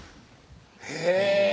へぇ